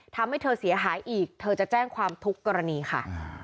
ทำให้เธอเสียหายอีกเธอจะแจ้งความทุกกรณีค่ะ